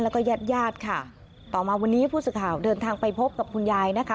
แล้วก็ญาติญาติค่ะต่อมาวันนี้ผู้สื่อข่าวเดินทางไปพบกับคุณยายนะคะ